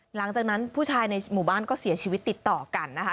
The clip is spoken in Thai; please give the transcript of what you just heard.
หลังจากนั้นผู้ชายในหมู่บ้านก็เสียชีวิตติดต่อกันนะคะ